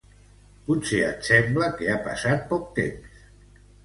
Potser et sembla que ha passat poc temps.